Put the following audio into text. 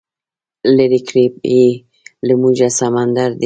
لرې کړی یې له موږه سمندر دی